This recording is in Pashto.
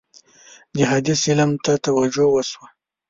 د حدیث علم ته توجه وشوه.